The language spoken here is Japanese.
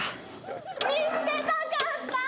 見つけたかった！